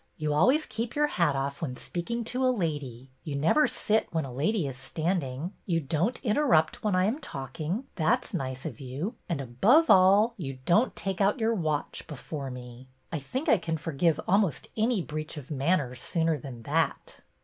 You always keep your hat off when speaking to a lady; you never sit when a lady is standing; you don't interrupt when I am talking, — that 's nice of you, — and, above all, you don't take out your watch before me. I think I can forgive almost any breach of manners sooner than that."